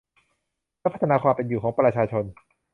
และพัฒนาความเป็นอยู่ของประชาชน